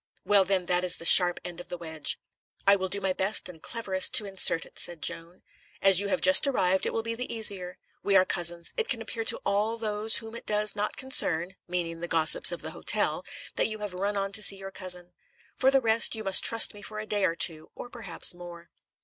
"Well, then, that is the sharp end of the wedge. I will do my best and cleverest to insert it," said Joan. "As you have just arrived, it will be the easier. We are cousins. It can appear to all those whom it does not concern (meaning the gossips of the hotel) that you have run on to see your cousin. For the rest, you must trust me for a day or two, or perhaps more."